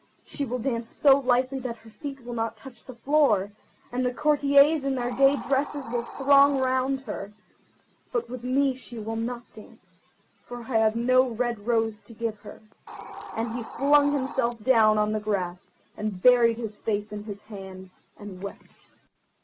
She will dance so lightly that her feet will not touch the floor, and the courtiers in their gay dresses will throng round her. But with me she will not dance, for I have no red rose to give her"; and he flung himself down on the grass, and buried his face in his hands, and wept.